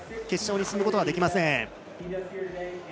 決勝に進むことはできません。